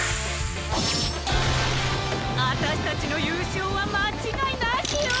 あたしたちのゆうしょうはまちがいなしよ！